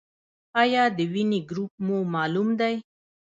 ایا د وینې ګروپ مو معلوم دی؟